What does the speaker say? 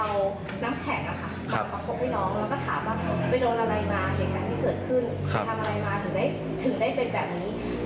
เราถามว่าทีกตรงไหนเขาบอกว่าทีกข้อที่ใบหน้า